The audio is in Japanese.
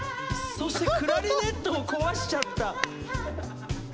そして「クラリネットをこわしちゃった」。